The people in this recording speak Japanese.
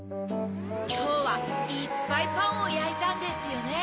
きょうはいっぱいパンをやいたんですよね。